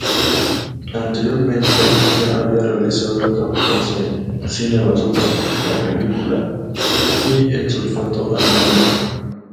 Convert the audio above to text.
Anteriormente, ya había realizado cameos en "Cine basura: La película" y "El sulfato anatómico".